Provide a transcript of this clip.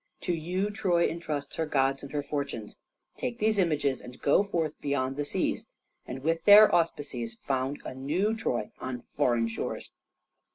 "To you Troy entrusts her gods and her fortunes. Take these images, and go forth beyond the seas, and with their auspices found a new Troy on foreign shores."